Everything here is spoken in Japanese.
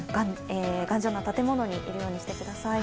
頑丈な建物にいるようにしてください。